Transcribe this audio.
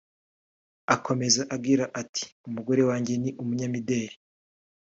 Akomeza agira ati “Umugore wanjye ni umunyamideli